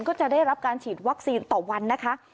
ก็จะได้รับการฉีดวัคซีนต่อวันนะคะ